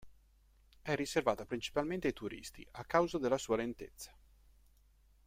È riservata principalmente ai turisti, a causa della sua lentezza.